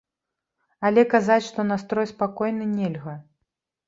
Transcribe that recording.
Але казаць, што настрой спакойны, нельга.